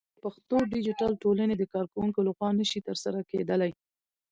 د پښتو ديجيتل ټولنې د کارکوونکو لخوا نشي ترسره کېدلى